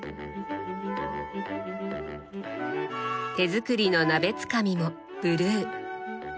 手作りの鍋つかみもブルー。